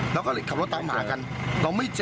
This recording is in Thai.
เราก็เลยขับรถตามหากันเราไม่เจอ